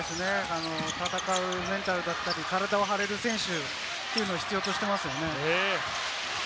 戦うメンタル、体を張れる選手、それを必要としていますよね。